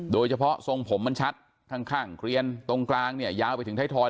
โดยเฉพาะทรงผมมันชัดข้างเกลียนตรงกลางเนี่ยยาวไปถึงไทยทอย